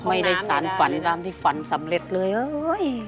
ไม่ได้สารฝันตามที่ฝันสำเร็จเลยเฮ้ย